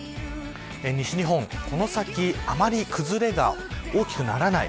西日本、この先あまり崩れが大きくならない。